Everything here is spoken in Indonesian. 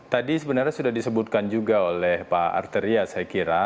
tadi sebenarnya sudah disebutkan juga oleh pak arteria saya kira